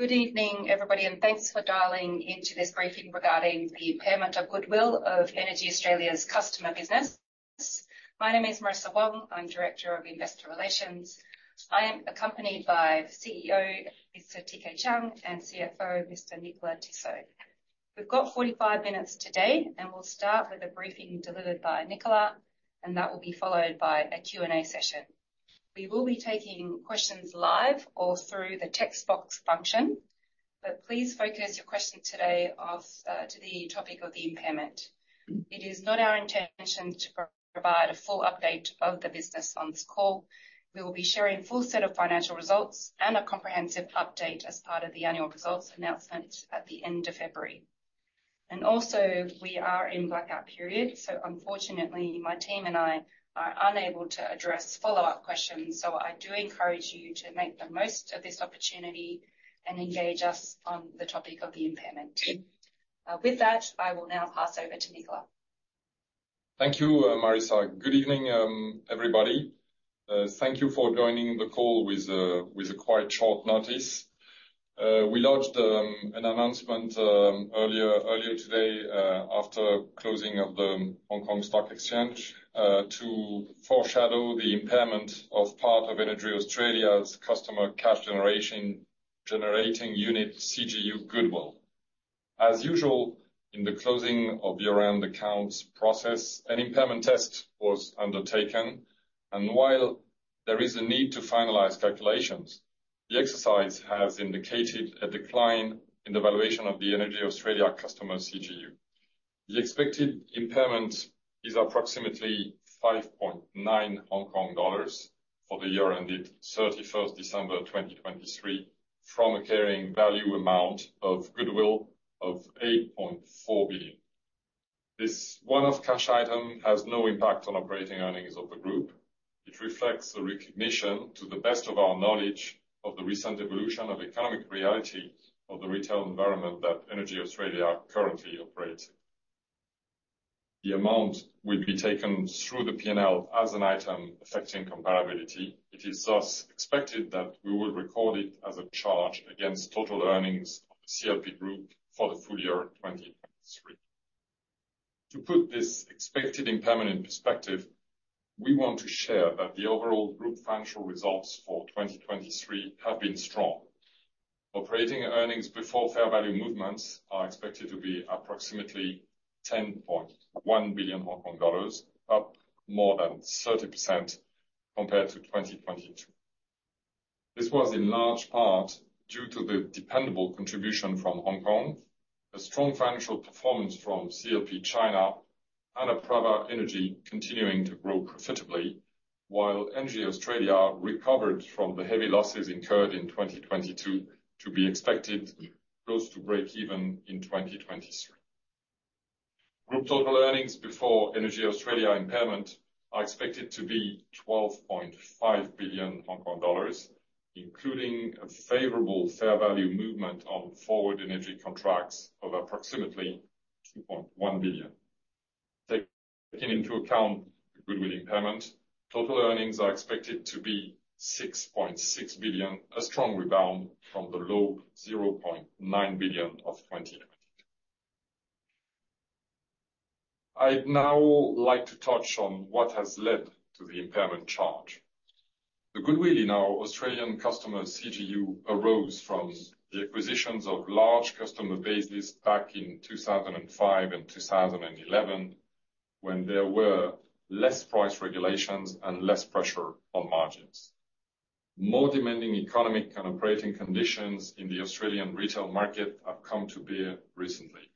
Good evening, everybody, and thanks for dialing into this briefing regarding the impairment of goodwill of EnergyAustralia's customer business. My name is Marissa Wong. I'm Director of Investor Relations. I am accompanied by CEO, Mr. TK Chiang, and CFO, Mr. Nicolas Tissot. We've got 45 minutes today, and we'll start with a briefing delivered by Nicolas, and that will be followed by a Q&A session. We will be taking questions live or through the text box function, but please focus your question today on to the topic of the impairment. It is not our intention to provide a full update of the business on this call. We will be sharing full set of financial results and a comprehensive update as part of the annual results announcement at the end of February. Also we are in blackout period, so unfortunately my team and I are unable to address follow-up questions. I do encourage you to make the most of this opportunity and engage us on the topic of the impairment. With that, I will now pass over to Nicolas. Thank you, Marissa. Good evening, everybody. Thank you for joining the call with quite short notice. We launched an announcement earlier today after closing of the Hong Kong Stock Exchange to foreshadow the impairment of part of EnergyAustralia's Customer Cash Generating Unit CGU goodwill. As usual, in the closing of the year-end accounts process, an impairment test was undertaken, and while there is a need to finalize calculations, the exercise has indicated a decline in the valuation of the EnergyAustralia Customer CGU. The expected impairment is approximately 5.9 billion Hong Kong dollars for the year ended 31 December 2023 from a carrying value amount of goodwill of 8.4 billion. This one-off non-cash item has no impact on operating earnings of the Group. It reflects the recognition, to the best of our knowledge, of the recent evolution of economic reality of the retail environment that EnergyAustralia currently operates. The amount will be taken through the P&L as an item affecting comparability. It is thus expected that we will record it as a charge against total earnings of the CLP Group for the full year 2023. To put this expected impairment in perspective, we want to share that the overall group financial results for 2023 have been strong. Operating earnings before fair value movements are expected to be approximately 10.1 billion Hong Kong dollars, up more than 30% compared to 2022. This was in large part due to the dependable contribution from Hong Kong, a strong financial performance from CLP China, and Apraava Energy continuing to grow profitably while EnergyAustralia recovered from the heavy losses incurred in 2022 to be expected close to breakeven in 2023. Group total earnings before EnergyAustralia impairment are expected to be 12.5 billion Hong Kong dollars, including a favorable fair value movement on forward energy contracts of approximately 2.1 billion. Taking into account the goodwill impairment, total earnings are expected to be 6.6 billion, a strong rebound from the low 0.9 billion of 2022. I'd now like to touch on what has led to the impairment charge. The goodwill in our Australian customer CGU arose from the acquisitions of large customer bases back in 2005 and 2011 when there were less price regulations and less pressure on margins. More demanding economic and operating conditions in the Australian retail market have come to bear recently.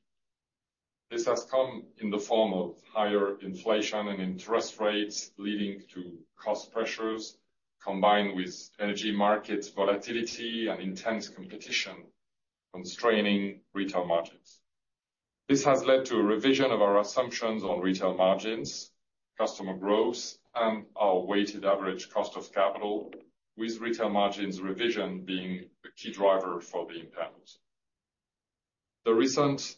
This has come in the form of higher inflation and interest rates leading to cost pressures, combined with energy market volatility and intense competition constraining retail margins. This has led to a revision of our assumptions on retail margins, customer growth, and our weighted average cost of capital, with retail margins revision being the key driver for the impairment. The recent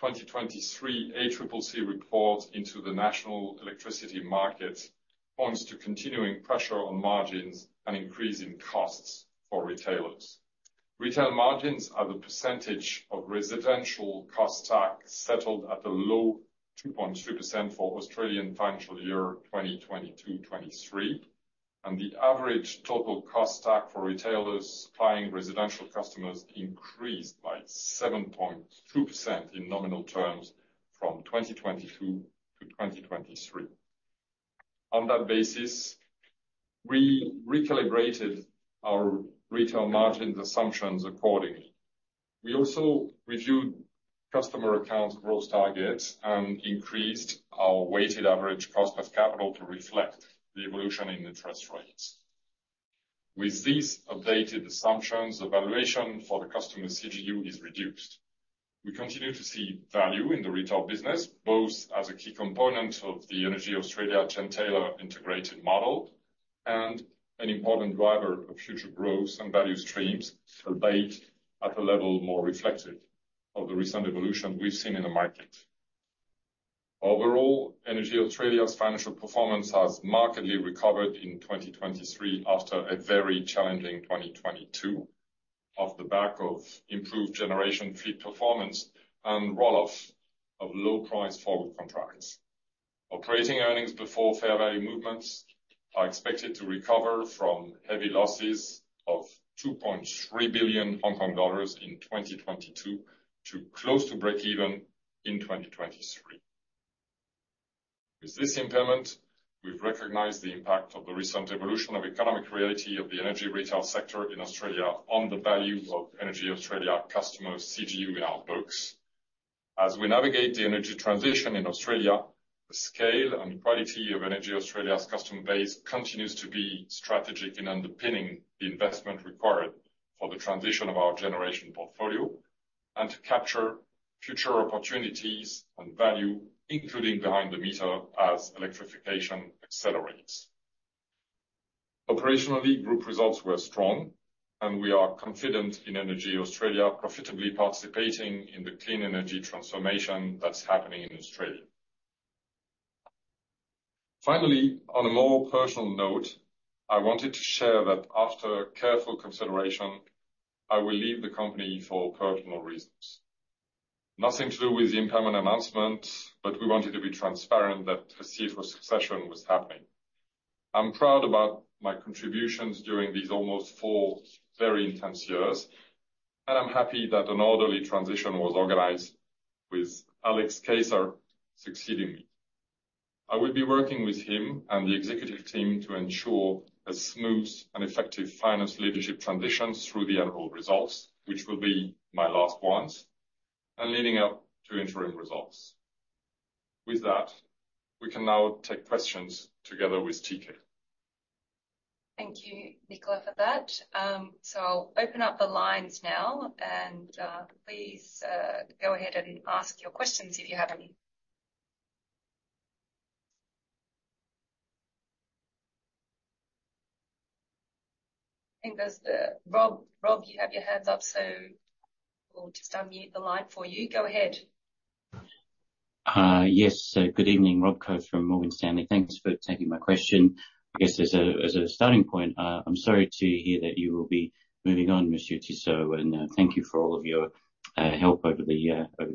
2023 ACCC report into the National Electricity Market points to continuing pressure on margins and increase in costs for retailers. Retail margins are the percentage of residential cost stack settled at a low 2.2% for Australian financial year 2022, 2023, and the average total cost stack for retailers supplying residential customers increased by 7.2% in nominal terms from 2022 to 2023. On that basis, we recalibrated our retail margins assumptions accordingly. We also reviewed customer accounts growth targets and increased our weighted average cost of capital to reflect the evolution in interest rates. With these updated assumptions, the valuation for the Customer CGU is reduced. We continue to see value in the retail business both as a key component of the EnergyAustralia gentailer integrated model and an important driver of future growth and value streams, albeit at a level more reflective of the recent evolution we've seen in the market. Overall, EnergyAustralia's financial performance has markedly recovered in 2023 after a very challenging 2022 off the back of improved generation fleet performance and roll-off of low price forward contracts. Operating earnings before fair value movements are expected to recover from heavy losses of 2.3 billion Hong Kong dollars in 2022 to close to breakeven in 2023. With this impairment, we've recognized the impact of the recent evolution of economic reality of the energy retail sector in Australia on the value of EnergyAustralia Customer CGU in our books. As we navigate the energy transition in Australia, the scale and quality of Energy Australia's customer base continues to be strategic in underpinning the investment required for the transition of our generation portfolio and to capture future opportunities and value, including behind the meter as electrification accelerates. Operationally, Group results were strong and we are confident in Energy Australia profitably participating in the clean energy transformation that's happening in Australia. Finally, on a more personal note, I wanted to share that after careful consideration, I will leave the company for personal reasons. Nothing to do with the impairment announcement, but we wanted to be transparent that a CFO succession was happening. I'm proud about my contributions during these almost four very intense years, and I'm happy that an orderly transition was organized with Alex Keisser succeeding me. I will be working with him and the executive team to ensure a smooth and effective finance leadership transition through the annual results, which will be my last ones, and leading up to interim results. With that, we can now take questions together with TK. Thank you, Nicolas, for that. I'll open up the lines now and, please, go ahead and ask your questions if you have any. I think there's Rob. Rob, you have your hands up, so we'll just unmute the line for you. Go ahead. Yes. Good evening. Rob Koh from Morgan Stanley. Thanks for taking my question. I guess as a starting point, I'm sorry to hear that you will be moving on, Mr Tissot, and thank you for all of your help over the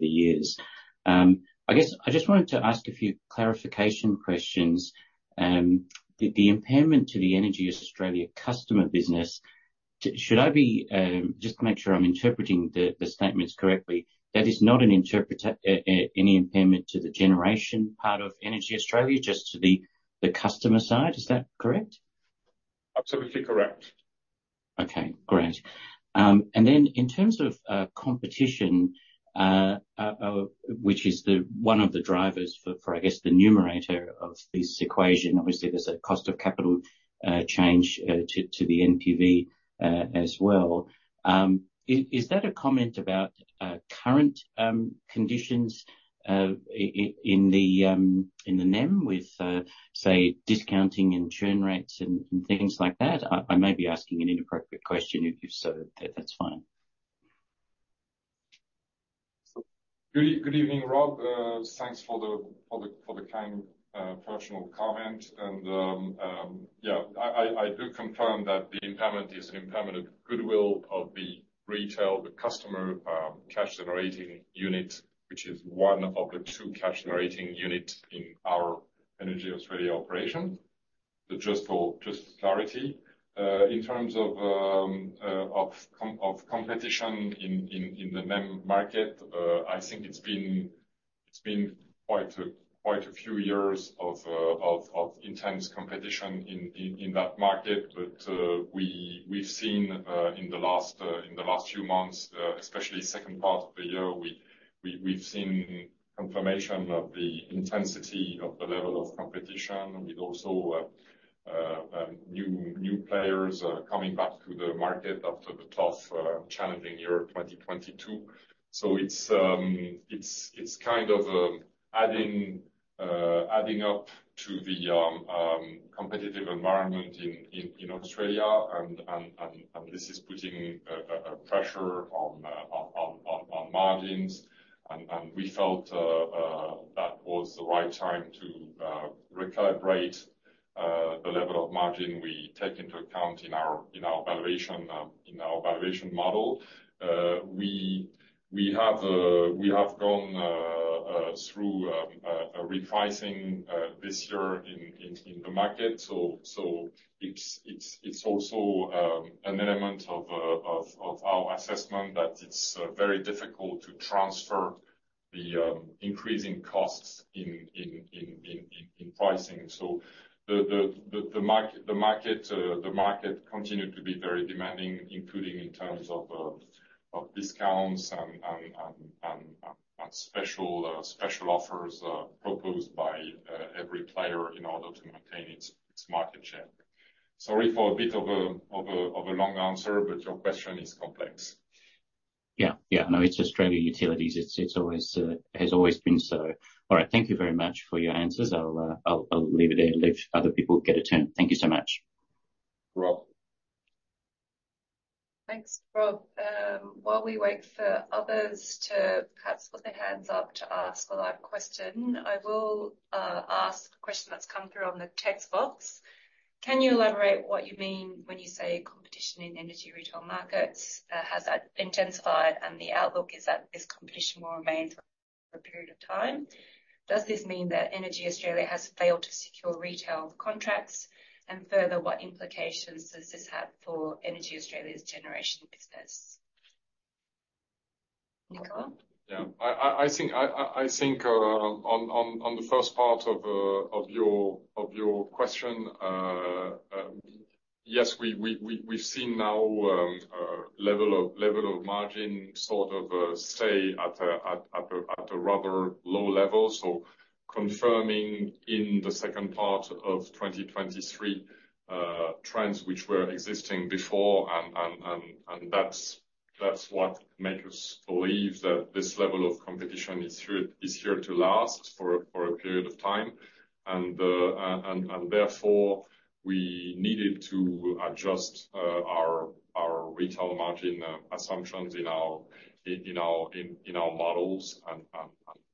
years. I guess I just wanted to ask a few clarification questions. The impairment to the EnergyAustralia customer business, should I be just to make sure I'm interpreting the statements correctly, that is not any impairment to the generation part of EnergyAustralia, just to the customer side. Is that correct? Absolutely correct. Okay, great. In terms of competition, which is one of the drivers for, I guess, the numerator of this equation, obviously there's a cost of capital change to the NPV as well. Is that a comment about current conditions in the name with, say, discounting and churn rates and things like that? I may be asking an inappropriate question. If so, that's fine. Good evening, Rob. Thanks for the kind personal comment. Yeah, I do confirm that the impairment is an impairment of goodwill of the retail, the customer cash generating unit, which is one of the two cash generating units in our EnergyAustralia operation. Just for clarity. In terms of competition in the NEM market, I think it's been quite a few years of intense competition in that market. We've seen in the last few months, especially second part of the year, we've seen confirmation of the intensity of the level of competition with also new players coming back to the market after the tough challenging year, 2022. It's kind of adding up to the competitive environment in Australia and this is putting a pressure on margins and we felt that was the right time to recalibrate the level of margin we take into account in our valuation model. We have gone through a repricing this year in the market. It's also an element of our assessment that it's very difficult to transfer the increasing costs in pricing. The market continued to be very demanding, including in terms of discounts and special offers proposed by every player in order to maintain its market share. Sorry for a bit of a long answer, but your question is complex. Yeah. Yeah. No, it's Australian utilities. It has always been so. All right. Thank you very much for your answers. I'll leave it there and let other people get a turn. Thank you so much. Thanks Rob. While we wait for others to perhaps put their hands up to ask a live question, I will ask a question that's come through on the text box. Can you elaborate what you mean when you say competition in energy retail markets has intensified, and the outlook is that this competition will remain for a period of time? Does this mean that EnergyAustralia has failed to secure retail contracts? Further, what implications does this have for EnergyAustralia's generation business? Nicolas? Yeah. I think on the first part of your question, yes, we've seen now a level of margin sort of stay at a rather low level. Confirming in the second part of 2023 trends which were existing before and that's what make us believe that this level of competition is here to last for a period of time. Therefore, we needed to adjust our retail margin assumptions in our models.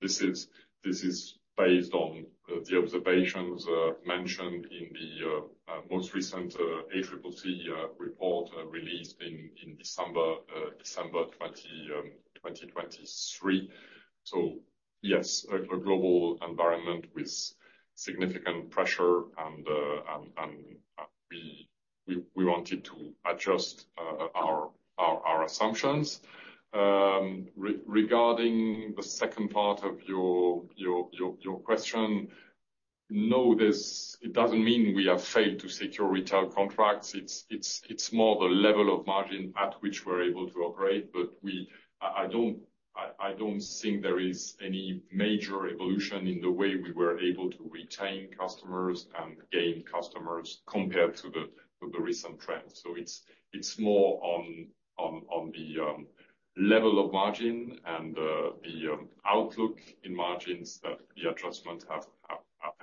This is based on the observations mentioned in the most recent ACCC report released in December 2023. Yes, a global environment with significant pressure and we wanted to adjust our assumptions. Regarding the second part of your question. No, this. It doesn't mean we have failed to secure retail contracts. It's more the level of margin at which we're able to operate. We don't think there is any major evolution in the way we were able to retain customers and gain customers compared to the recent trends. It's more on the level of margin and the outlook in margins that the adjustments have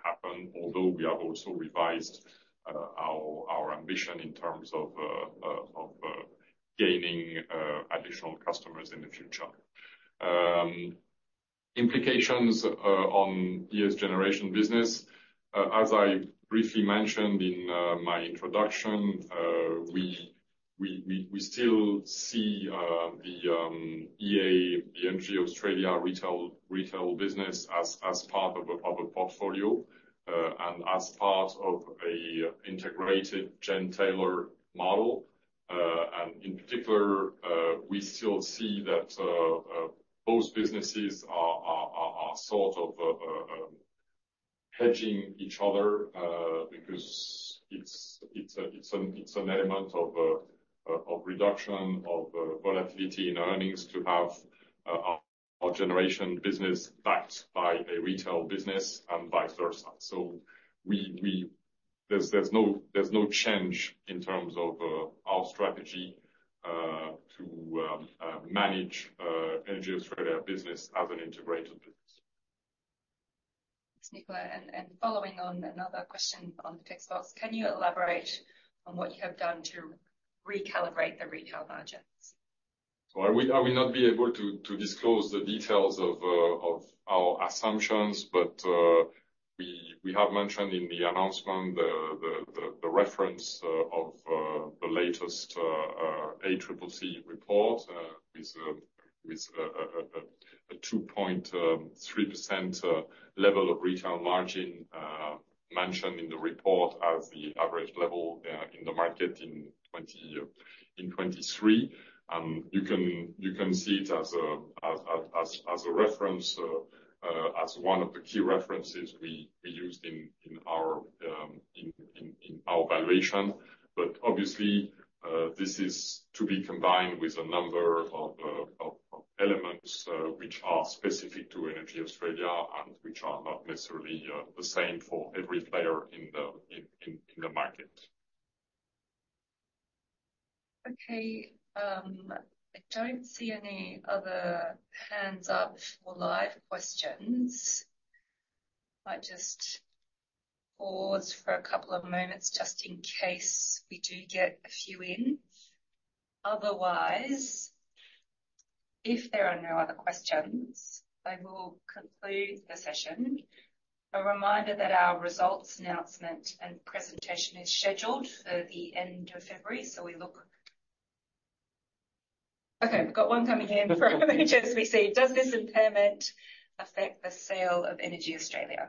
happened. Although we have also revised our ambition in terms of gaining additional customers in the future. Implications on ES generation business. As I briefly mentioned in my introduction, we still see the EA, the EnergyAustralia retail business as part of a portfolio and as part of an integrated gentailer model. In particular, we still see that both businesses are sort of hedging each other because it's an element of reduction of volatility in earnings to have our generation business backed by a retail business and vice versa. There's no change in terms of our strategy to manage EnergyAustralia business as an integrated business. Thanks, Nicolas. Following on another question on the text box, can you elaborate on what you have done to recalibrate the retail margins? I will not be able to disclose the details of our assumptions, but we have mentioned in the announcement the reference of the latest ACCC report with a 2.3% level of retail margin mentioned in the report as the average level in the market in 2023. You can see it as a reference as one of the key references we used in our valuation. But obviously, this is to be combined with a number of elements which are specific to EnergyAustralia and which are not necessarily the same for every player in the market. Okay. I don't see any other hands up for live questions. I might just pause for a couple of moments just in case we do get a few in. Otherwise, if there are no other questions, I will conclude the session. A reminder that our results announcement and presentation is scheduled for the end of February. Okay, we've got one coming in from HSBC. Does this impairment affect the sale of EnergyAustralia?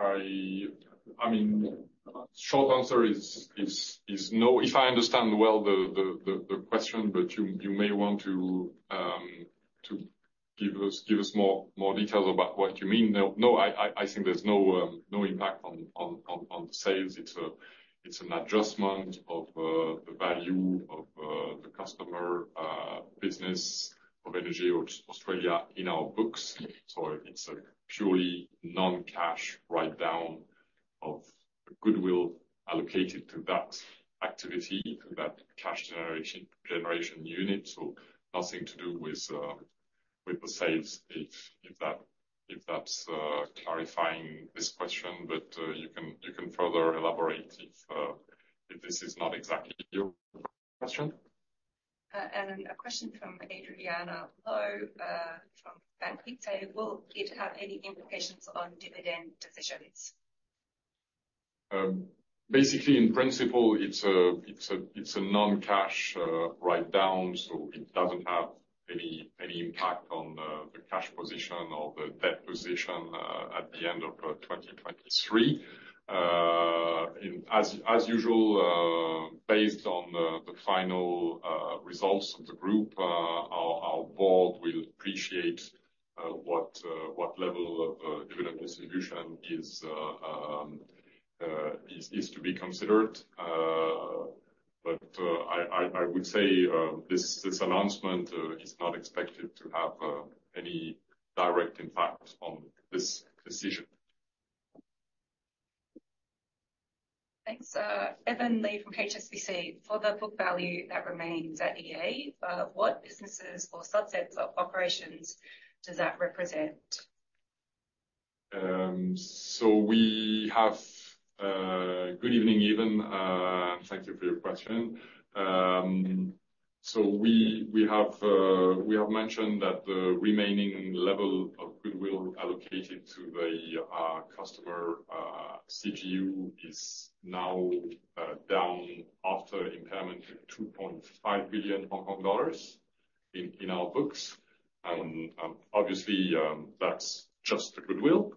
I mean, short answer is no. If I understand well the question, but you may want to give us more details about what you mean. No, I think there's no impact on the sales. It's an adjustment of the value of the customer business of EnergyAustralia in our books. It's a purely non-cash write down of goodwill allocated to that activity, to that cash generation unit. Nothing to do with the sales, if that's clarifying this question, but you can further elaborate if this is not exactly your question. A question from Adrienne Lau, from Bank of America. Did it have any implications on dividend decisions? Basically, in principle, it's a non-cash write-down, so it doesn't have any impact on the cash position or the debt position at the end of 2023. As usual, based on the final results of the group, our board will appreciate what level of dividend distribution is to be considered. I would say this announcement is not expected to have any direct impact on this decision. Thanks. Evan Li from HSBC. For the book value that remains at EA, what businesses or subsets of operations does that represent? Good evening, Evan. Thank you for your question. We have mentioned that the remaining level of goodwill allocated to the customer CGU is now down after impairment to 2.5 billion Hong Kong dollars in our books. Obviously, that's just the goodwill.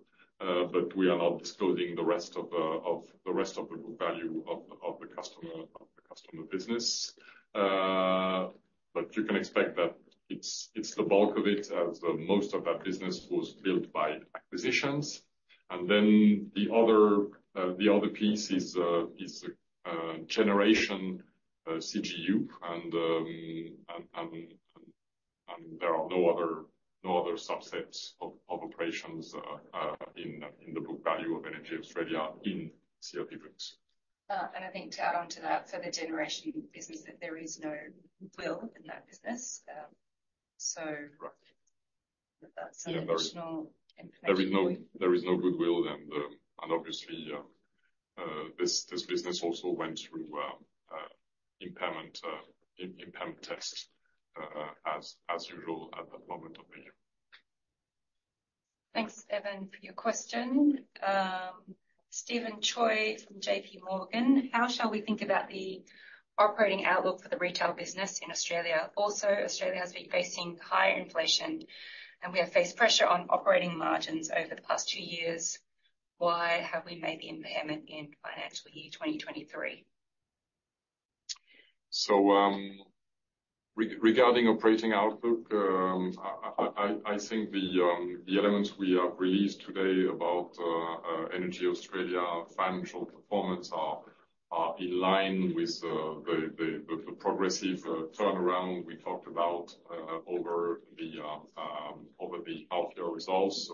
But we are not disclosing the rest of the book value of the customer business. But you can expect that it's the bulk of it, as most of that business was built by acquisitions. Then the other piece is generation CGU. There are no other subsets of operations in the book value of EnergyAustralia in CLP books. I think to add on to that, for the generation business, that there is no goodwill in that business. Right. If that's an additional information point. There is no goodwill, and obviously this business also went through impairment tests as usual at that moment of the year. Thanks, Evan, for your question. Steven Choi from JP Morgan. How shall we think about the operating outlook for the retail business in Australia? Also, Australia has been facing higher inflation, and we have faced pressure on operating margins over the past two years. Why have we made the impairment in financial year 2023? Regarding operating outlook, I think the elements we have released today about EnergyAustralia financial performance are in line with the progressive turnaround we talked about over the half year results.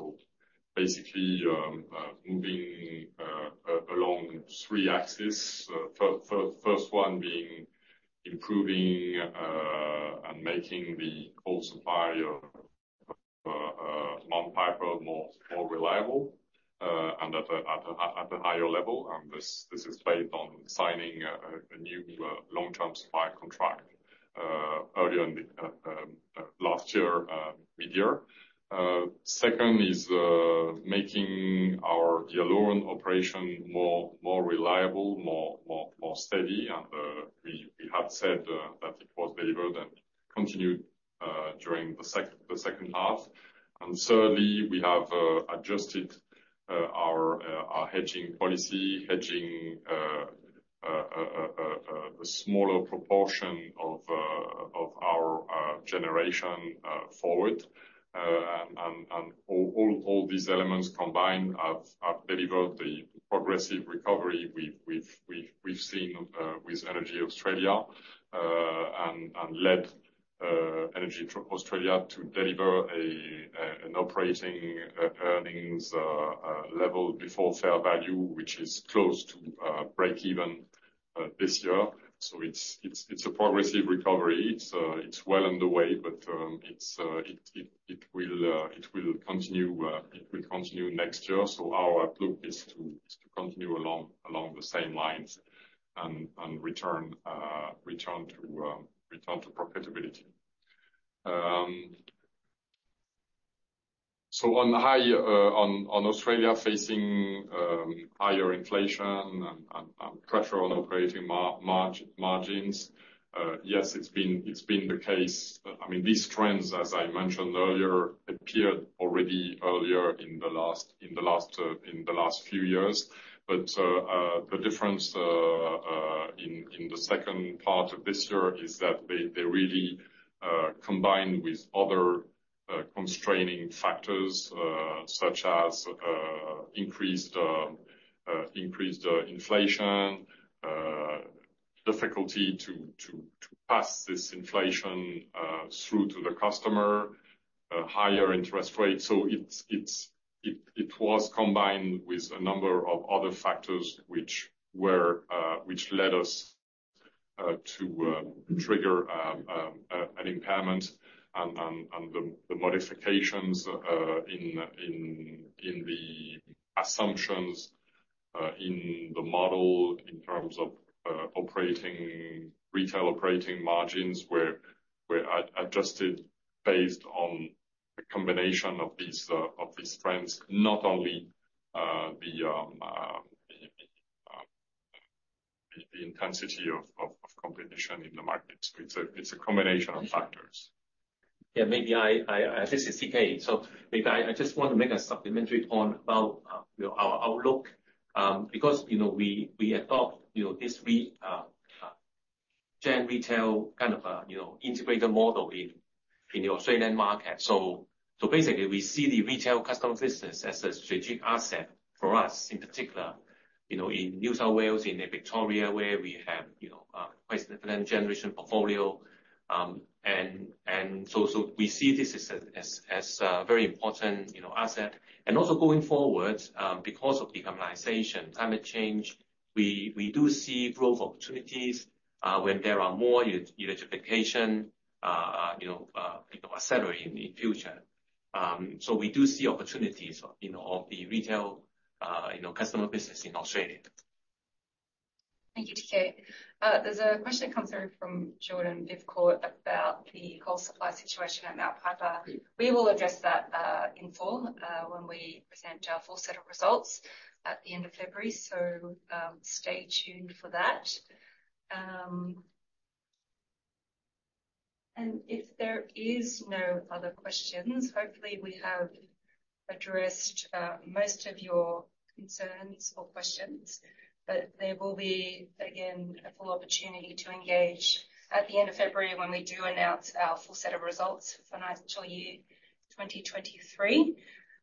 Basically, moving along three axes. First one being improving and making the coal supply of Mount Piper more reliable and at a higher level, and this is based on signing a new long-term supply contract early on the last year mid-year. Second is making our Yallourn operation more reliable, more steady. We had said that it was delivered and continued during the second half. Thirdly, we have adjusted our hedging policy, hedging a smaller proportion of our generation forward. All these elements combined have delivered the progressive recovery we've seen with Energy Australia and led Energy Australia to deliver an operating earnings level before fair value, which is close to breakeven this year. It's a progressive recovery. It's well underway, but it will continue next year. Our outlook is to continue along the same lines and return to profitability. On Australia facing higher inflation and pressure on operating margins, yes, it's been the case. I mean, these trends, as I mentioned earlier, appeared already earlier in the last few years. The difference in the second part of this year is that they really combined with other constraining factors, such as increased inflation, difficulty to pass this inflation through to the customer, higher interest rates. It was combined with a number of other factors which led us to trigger an impairment and the modifications in the assumptions in the model in terms of retail operating margins were adjusted based on a combination of these trends, not only the intensity of competition in the market. It's a combination of factors. Yeah. Maybe I. This is TK. Maybe I just want to make a supplementary point about you know, our outlook, because you know, we adopt you know, this gen retail kind of integrated model in the Australian market. Basically we see the retail customer business as a strategic asset for us in particular you know, in New South Wales, in Victoria, where we have you know, quite a different generation portfolio. We see this as a very important you know, asset. Also going forward, because of decarbonization, climate change, we do see growth opportunities when there are more electrification accelerating in future. We do see opportunities, you know, of the retail, you know, customer business in Australia. Thank you, TK. There's a question that comes through from Jordan Vivcourt about the coal supply situation at Mount Piper. We will address that in full when we present our full set of results at the end of February, so stay tuned for that. If there is no other questions, hopefully we have addressed most of your concerns or questions. There will be, again, a full opportunity to engage at the end of February when we do announce our full set of results for financial year 2023.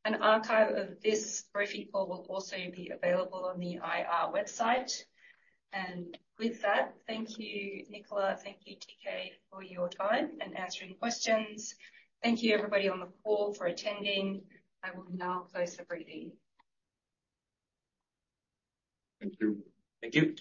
An archive of this briefing call will also be available on the IR website. With that, thank you, Nicolas, thank you, TK, for your time and answering questions. Thank you everybody on the call for attending. I will now close the briefing. Thank you. Thank you.